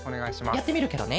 やってみるケロね。